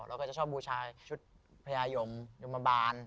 เราก็จะชอบบูชาชุดพญายมยมบาล